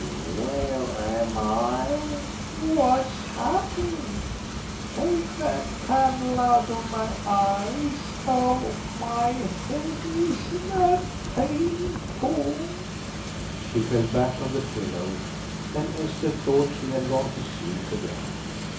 "Where am I? What's happened?... Take that candle out of my eyes.... Oh, my head is that painful." She fell back on the pillow, and Esther thought she had gone to sleep again.